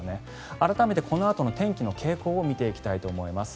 改めてこのあとの天気の傾向を見ていきたいと思います。